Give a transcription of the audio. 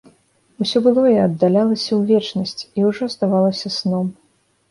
Усё былое аддалялася ў вечнасць і ўжо здавалася сном.